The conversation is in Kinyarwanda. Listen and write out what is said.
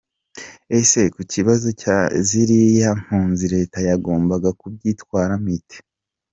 Ese ku kibazo cya ziriya mpunzi Leta yagombaga kubyitwaramo ite?